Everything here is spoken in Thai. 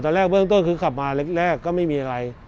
ตอนแรกเบื้องต้นคือขับมาแรกก็ไม่มีอะไร